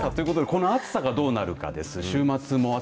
この暑さがどうなるかです。